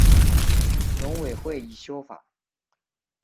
农委会已修法